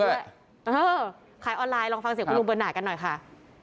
เออขายออนไลน์ลองฟังเสียงคุณลุงเบิร์น่ากันหน่อยค่ะ